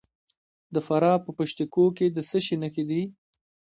د فراه په پشت کوه کې د څه شي نښې دي؟